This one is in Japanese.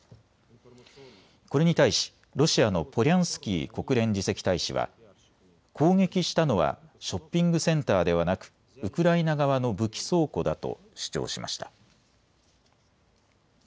これに対しロシアのポリャンスキー国連次席大使は攻撃したのはショッピングセンターではなくウクライナ側の武器倉庫だと主張しました。